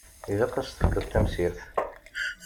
Ilaq ad s-tefkeḍ tamsirt.